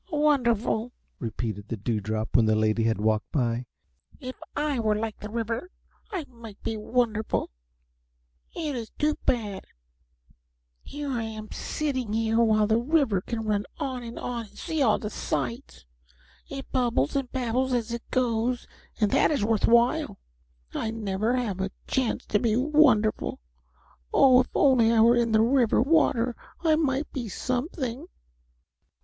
"Wonderful," repeated the Dewdrop when the lady had walked away. "If I were like the river I might be wonderful; it is too bad; here I am sitting here while the river can run on and on and see all the sights. It bubbles and babbles as it goes, and that is worth while. I have never a chance to be wonderful. Oh, if I were only in the river water I might be something."